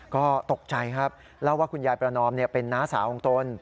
ก็ตกใจครับเล่าว่าคุณยายประนอมเป็นน้าสาวของตน